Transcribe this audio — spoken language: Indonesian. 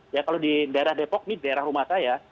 ya kalau di daerah depok ini daerah rumah saya